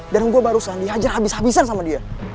dan gue barusan dihajar habis habisan sama dia